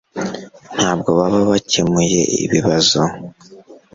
ntabwo baba bakemuye ibibazo